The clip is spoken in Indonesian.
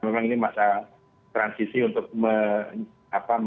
ada perjalanan ke pulau ada pertemuan ada itu bisa menggunakan beberapa laki laki